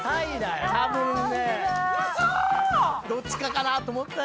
どっちかかなと思った。